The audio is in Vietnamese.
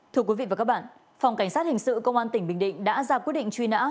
thưa quý vị và các bạn phòng cảnh sát hình sự công an tỉnh bình định đã ra quyết định truy nã